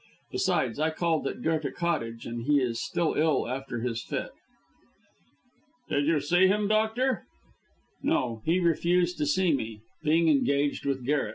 Besides, I called at Goethe Cottage, and he is still ill after his fit." "Did you see him, doctor?" "No, he refused to see me, being engaged with Garret.